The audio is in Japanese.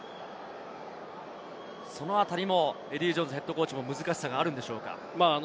そのあたりもエディー・ジョーンズＨＣも難しさがあるんでしょうか？